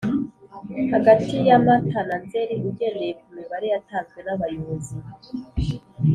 hagati ya mata na nzeri ugendeye ku mibare yatanzwe n abayobozi